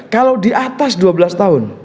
kalau di atas dua belas tahun